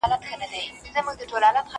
عمر هم په پایلو کې رول لري.